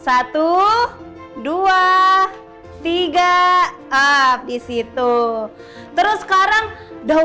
ah ofisi mu